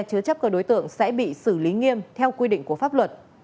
chứa chấp các đối tượng sẽ bị xử lý nghiêm theo quy định của pháp luật